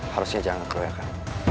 harusnya jangan keroyokan